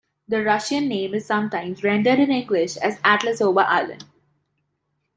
The Russian name is sometimes rendered in English as Atlasova Island.